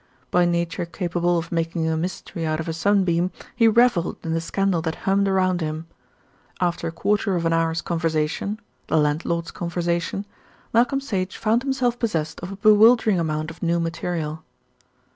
By nature capable of making a mystery out of a sunbeam, he revelled in the scandal that hummed around him. After a quarter of an hour's conversation, the landlord's conversation, Malcolm Sage found himself possessed of a bewildering amount of new material.